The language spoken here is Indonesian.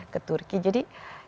ke turki jadi